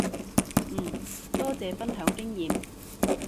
嗯，多謝分享經驗